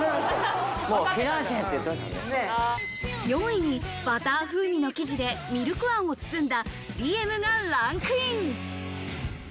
４位にバター風味の生地でミルクあんを包んだ梨恵夢がランクイン。